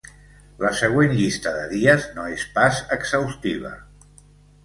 La següent llista de dies no és pas exhaustiva.